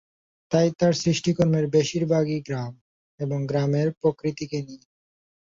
তাই তার সৃষ্টিকর্মের বেশিরভাগ ই গ্রাম এবং গ্রামের প্রকৃতিকে নিয়ে।